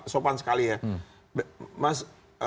sopan sekali ya mas